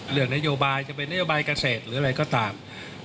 เรื่องนโยบายจะเป็นนโยบายเกษตรหรืออะไรก็ตาม